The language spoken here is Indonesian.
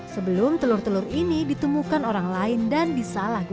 sebelum telur telur ini ditemukan orang lain dan disalahgunakan